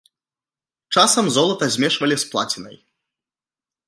Часам золата змешвалі з плацінай.